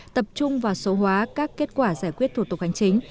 tập trung và số hóa các kết quả giải quyết thuật tục hành chính